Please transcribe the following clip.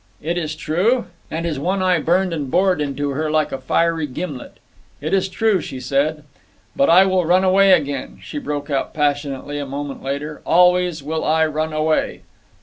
"It is true?" And his one eye burned and bored into her like a fiery gimlet. "It is true," she said. "But I will run away again," she broke out passionately, a moment later. "Always will I run away."